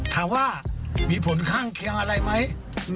ถามว่ามีผลข้างเคียงอะไรไหม